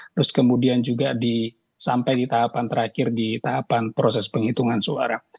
terus kemudian juga sampai di tahapan terakhir di tahapan proses penghitungan suara